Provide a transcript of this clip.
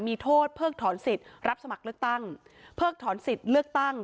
มีโทษเพิกถอนสิทธิ์รับสมัครเลือกตั้งเพิกถอนสิทธิ์เลือกตั้ง